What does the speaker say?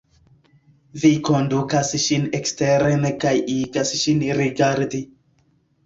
Vi kondukas ŝin eksteren kaj igas ŝin rigardi.